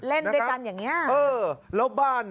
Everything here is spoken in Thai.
เล่นด้วยกันอย่างนี้